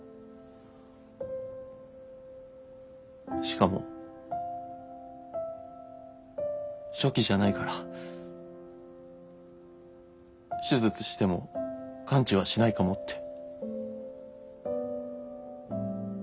しかも初期じゃないから手術しても完治はしないかもって。